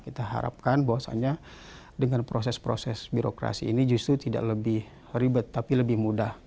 kita harapkan bahwasannya dengan proses proses birokrasi ini justru tidak lebih ribet tapi lebih mudah